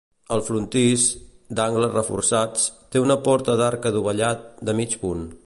El frontis, d'angles reforçats, té una porta d'arc adovellat de mig punt.